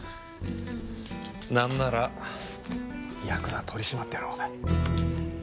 なんならヤクザ取り締まってるほうだ。